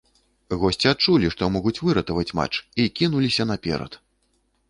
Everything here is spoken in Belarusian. Госці адчулі, што могуць выратаваць матч і кінуліся наперад.